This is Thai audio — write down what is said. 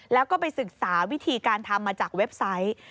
แล้วก็ไปศึกษาวิธีการทำมาจากเว็บไซต์